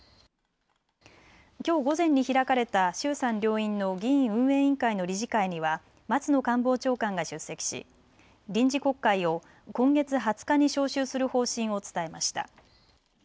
きょう午前に開かれた衆参両院の議院運営委員会の理事会には松野官房長官が出席し臨時国会を今月２０日に召集する方針を伝えました。